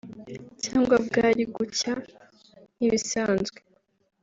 Cyangwa bwari gucya nk’ibisanzwe